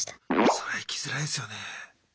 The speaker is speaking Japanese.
そら行きづらいですよね。